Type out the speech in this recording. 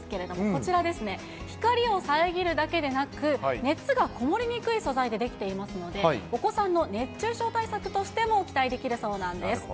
こちら、光を遮るだけでなく、熱がこもりにくい素材で出来ていますので、お子さんの熱中症対策としても期待できるそうなんです。